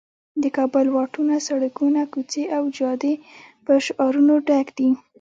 د کابل واټونه، سړکونه، کوڅې او جادې په شعارونو ډک دي.